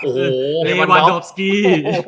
โอ้โหเรวันโดบสกี้